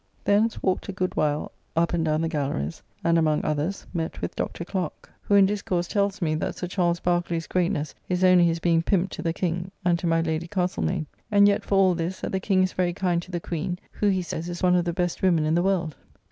Thence walked a good while up and down the gallerys; and among others, met with Dr. Clerke, who in discourse tells me, that Sir Charles Barkeley's greatness is only his being pimp to the King, and to my Lady Castlemaine. And yet for all this, that the King is very kind to the Queen; who, he says, is one of the best women in the world.